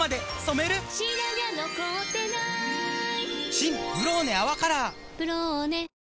新「ブローネ泡カラー」「ブローネ」